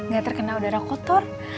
gak terkena udara kotor